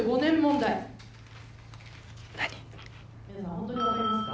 ホントに分かりますか？